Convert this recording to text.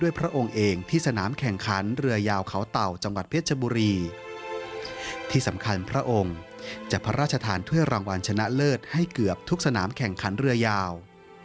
พระองค์เองที่สนามแข่งขันเรือยาวเขาเต่าจังหวัดเพชรบุรีที่สำคัญพระองค์จะพระราชทานถ้วยรางวัลชนะเลิศให้เกือบทุกสนามแข่งขันเรือยาว